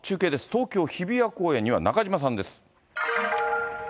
東京・日比谷公園には中島さんです。